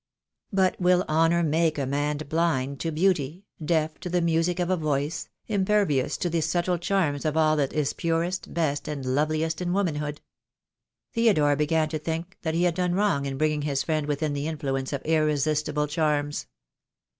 But will honour make a man blind to beauty, deaf to the music of a voice, impervious to the subtle charms of all that is purest, best, and loveliest in womanhood? Theodore began to think that he had done wrong in bringing his friend within the influence of irresistible charms.